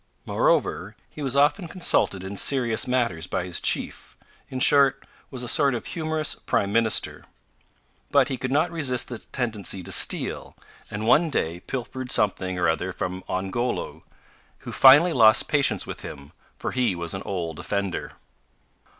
Moreover, he was often consulted in serious matters by his chief in short, was a sort of humorous prime minister. But he could not resist the tendency to steal, and one day pilfered something or other from Ongoloo, who finally lost patience with him, for he was an old offender.